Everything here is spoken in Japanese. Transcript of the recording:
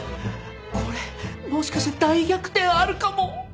これもしかして大逆転あるかも。